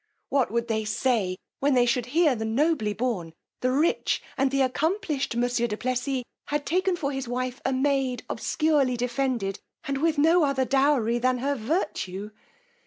What would they say when they should hear the nobly born, the rich, and the accomplished monsieur du Plessis, had taken for his wife a maid obscurely defended, and with no other dowry than her virtue!